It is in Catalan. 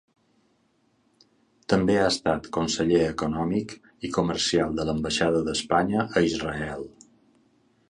També ha estat conseller econòmic i comercial de l'Ambaixada d'Espanya a Israel.